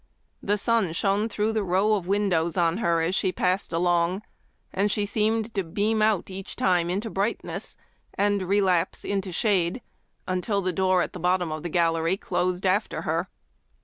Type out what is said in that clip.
The sun shone through the row of windows on her as she passed along, and she seemed to beam out each time into brightness, and relapse into shade, until the door at the bottom of the gallery closed after her.